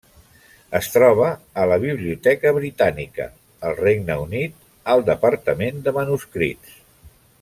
Es troba a la Biblioteca Britànica, al Regne Unit, al Departament de Manuscrits.